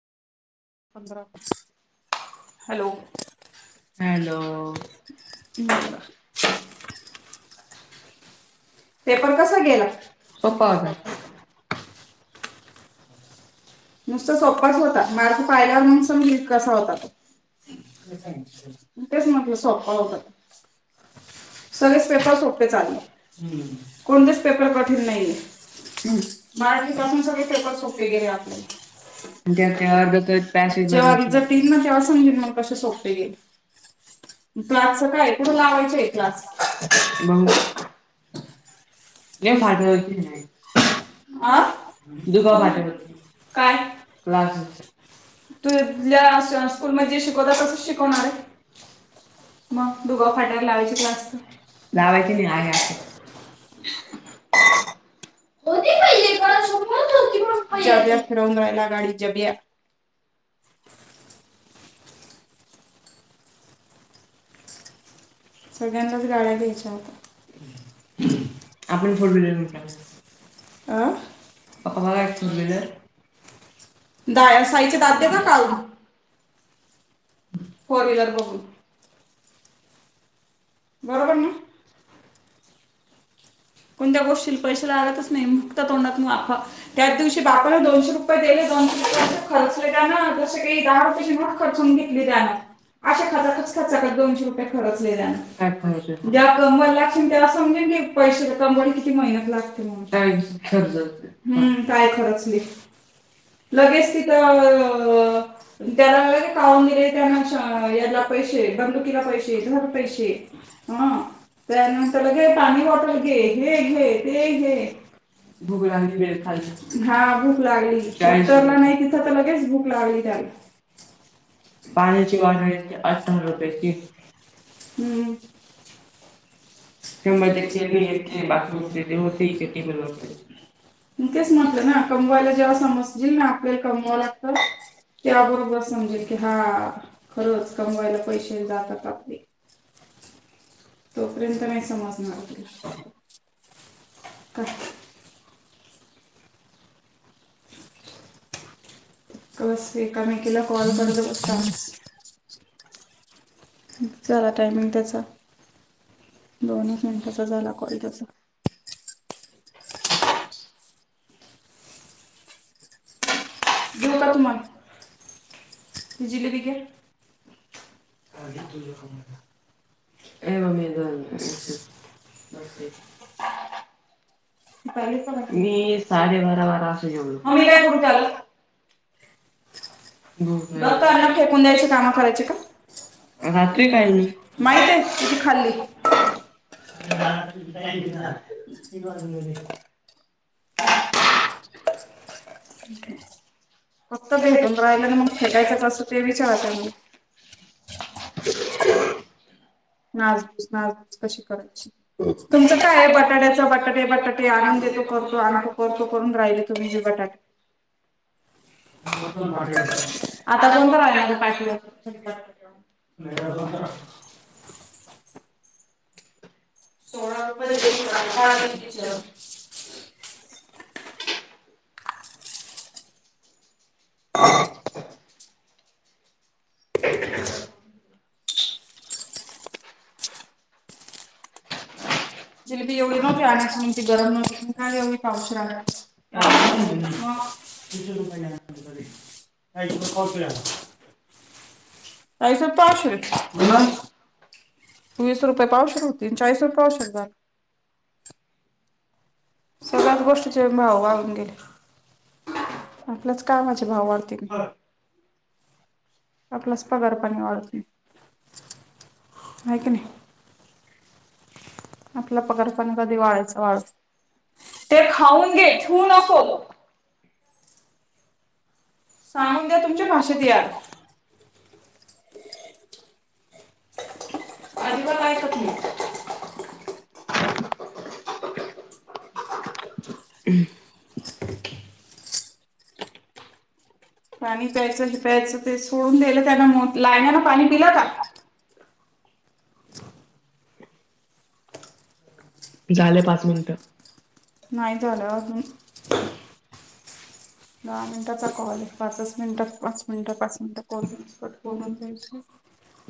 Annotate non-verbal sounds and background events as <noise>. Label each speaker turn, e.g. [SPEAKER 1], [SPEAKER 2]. [SPEAKER 1] पंधरा- वीस hello, hello! <unintelligible> Paper कसा गेला? सोपा होता. नुसत सोपांच होता. मार्क पाहिलावर मग समजलं कसा होता तो. खरं सांगितलं, तेच म्हटलं सोप्पा होता. सगळेच पेपर सोपे चालले. कोणतेच पेपर कठीण नाहीयेतं. मराठी पासून सगळे पेपर सोपे गेले. आपल्याला, जेव्हा रिझल्ट येईल ना, तेव्हा समजेल मग. कसे सोपे गेले, क्लासच काय आहे, कुठं लावायचं क्लास.
[SPEAKER 2] मग
[SPEAKER 1] <unintelligible> आ! काय, क्लास
[SPEAKER 2] त्या अशा खूप म्हणजे, शिकवलयं तसं शिकवणारेत. <unintelligible> लावायची क्लास. लावयची नाही आहे असं, <inaudible>
[SPEAKER 1] होती पहिले <unintelligible> सगळ्यांनाच गाड्या द्यायच्या आता, आपण फोर व्हीलर घेऊन टाकू यां. अ, पप्पा बरे आहेत का तुझे? डाव्या साईडचे दाते ना काढून. फोर व्हीलर बघून. बरोबर ना! कोणत्या गोष्टीला पैसे लागतच नाही. नुकत्या तोंडातून वाफा, त्याच दिवशी बापानं दोनशे रुपये रुपये दिले दोनशे पै खर्चले ना जसे काही दहा रुपयाची नोट खर्चुन घेतली जाणार <unintelligible> अशा खचा खच खर्चाला दोनशे रुपये खर्चले जेव्हा नंबर लागेल त्याला समजेल की पैसेला कमवले किती महिन्यात लागते म्हणून <unintelligible> हम्म काय नाही खरचले लगेच तिथं त्याला वगैरे काढुन दिले त्याना याला पैसे बंदुकीला पैसे धर पैसे हां त्यानंतर घे चांगली बॉटल हे घे घे ते घे भूक लागली हां भूक लागली <unintelligible> ला नाही तिथं तर लगेच भुक लागली त्याला पाण्याची बाॅटल एक अडचण होते की हम्म्म खे म खेती कर <unintelligible> तेच म्हणल ना कमवायला जेव्हा समजतील ना आपल्याला कमवायला लागत की आपोआप समजेल की हां खरंच कमवायला पैसे जातात आपले तोपर्यंत नाही समजणार
[SPEAKER 2] अच्छा
[SPEAKER 1] स एकामेकीला कॉल करत असताल झाला टायमिंग त्याचा दोनच मिनटाचा झाला काॅल त्याचा
[SPEAKER 2] <inaudible>
[SPEAKER 1] देऊ का तुम्हाला जिलेबी घे हां घेतो ग
[SPEAKER 2] ए मम्मे दोन हजार <unintelligible> मी साडे बारा बारा अस जेवलो मग मी काय करू त्याला
[SPEAKER 1] बघता न त्यांना फेकून द्यायची काम करायची का <unintelligible> माहित आहे किती खाल्ली ज <unintelligible> फक्त भेटून राहिल ना मग फेकायचं कस ते विचारत म
[SPEAKER 2] <inaudible>
[SPEAKER 1] नासधूस नासधूस कशी करायची तुमचं काय बटाट्याच बटाटे बटाटे आणुन देतो करून आणतो तो करतो करून राहिले तुम्ही बटाटे
[SPEAKER 2] ह. <inaudible> पा आ <inaudible>
[SPEAKER 1] सोळा रुपये <unintelligible> हा. <inaudible>
[SPEAKER 2] <inaudible>
[SPEAKER 1] जिलेबी एवढी नव्हती आणायची ती गरज नव्हती पण काय एवढी पावशेर आणा मग <unintelligible> <unintelligible> वीस रुपये पावशेर होती आणि चाळीस रुपये पावशेर झाली सगळ्याच गोष्टीचे भाव वाढुन गेले आपल्याच कामाचे भाव वाढतील आपलास पगार पाणी वाढत नाही आहे कानी नाही आपला पगारपण कधी वाढायचा वाढ ते खाऊन घे ठेवू नको सांगुन द्या तुमच्या भाषेत याल अजिबात ऐकत नाही पाणी प्यायच प्यायच ते सोडून दिल त्यांना मो लाहण्यान पाणी पिलं का
[SPEAKER 2] झाले पाच मिनटं
[SPEAKER 1] नाही. झालं अजून दहा मिनिटाचा कॉलेज, पाचच मिनिटात, पाच मिनिटं, पाच मिनिटं कॉल कट करुन द्यायचे.